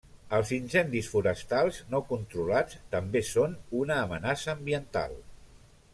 Els incendis forestals no controlats també són una amenaça ambiental.